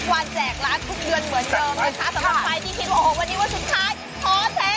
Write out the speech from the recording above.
สำหรับไฟล์ที่คิดว่าโอ้โฮวันนี้ว่าสุดท้าย